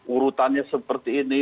urutannya seperti ini